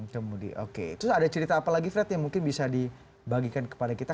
oke terus ada cerita apa lagi fred yang mungkin bisa dibagikan kepada kita